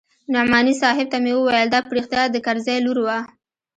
نعماني صاحب ته مې وويل دا په رښتيا د کرزي لور وه.